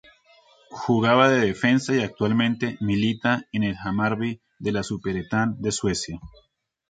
Jugaba de defensa y actualmente milita en el Hammarby de la Superettan de Suecia.